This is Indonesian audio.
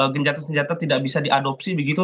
gencatan senjata tidak bisa diadopsi begitu